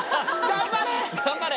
頑張れ！